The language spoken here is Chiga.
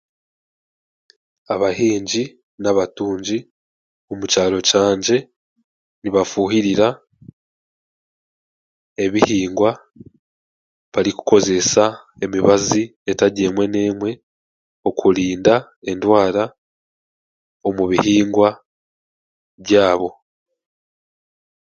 Abahingi n'abatungi omu kyaro kyangye nibafuuhirira ebihingwa barikukozeesa emibazi etari emwe n'emwe okurinda endwara omu bihingwa byabo.